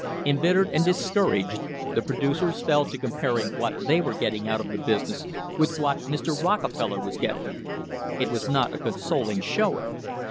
Embittered and discouraged, the pro ducers fell to comparing what they were getting out of the business with what Mr. Rockefeller was getting. It was not a consoling showing.